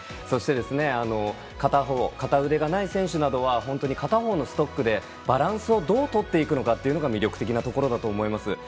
そして、片腕がない選手などは本当に片方のストックでバランスをどうとっていくかが魅力的なところだと思います。